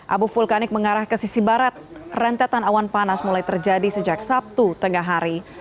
abu vulkanik mengarah ke sisi barat rentetan awan panas mulai terjadi sejak sabtu tengah hari